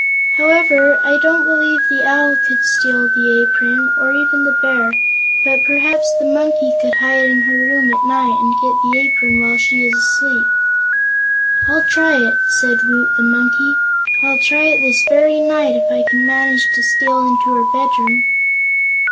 "However, I don't believe the Owl could steal the apron, or even the Bear, but perhaps the Monkey could hide in her room at night and get the apron while she is asleep." "I'll try it!" cried Woot the Monkey. "I'll try it this very night, if I can manage to steal into her bedroom."